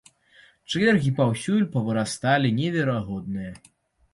Чэргі паўсюль павырасталі неверагодныя.